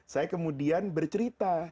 saya kemudian bercerita